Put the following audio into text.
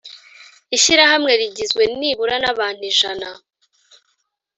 ishyirahamwe rigizwe nibura n abantu ijana